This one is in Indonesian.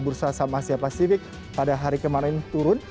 bursa saham asia pasifik pada hari kemarin turun